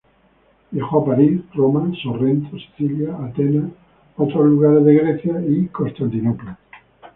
Viajó a París, Roma, Sorrento, Sicilia, Atenas, otros lugares de Gracia y Constantinopla.